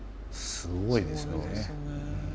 すごいですね。